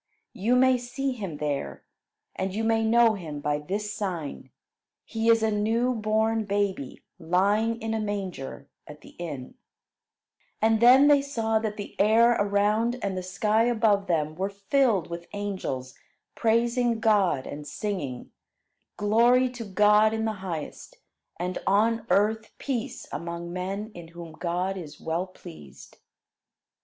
You may see him there; and you may know him by this sign: He is a new born baby, lying in a manger, at the inn." [Illustration: They were filled with fear] And then they saw that the air around and the sky above them were filled with angels, praising God and singing: "Glory to God in the highest. And on earth peace among men in whom God is well pleased."